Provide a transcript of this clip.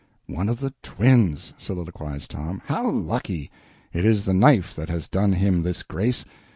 "One of the twins!" soliloquized Tom; "how lucky! It is the knife that has done him this grace.